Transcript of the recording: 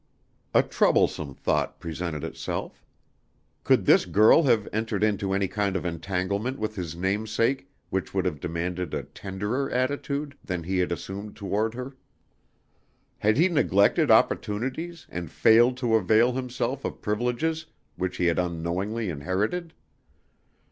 A troublesome thought presented itself. Could this girl have entered into any kind of entanglement with his namesake which would have demanded a tenderer attitude than he had assumed toward her? Had he neglected opportunities and failed to avail himself of privileges which he had unknowingly inherited?